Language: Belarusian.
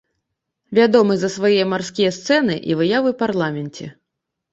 Вядомы за свае марскія сцэны і выявы парламенце.